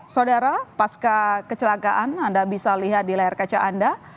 saudara pasca kecelakaan anda bisa lihat di layar kaca anda